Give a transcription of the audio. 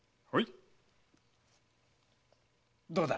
どうだ？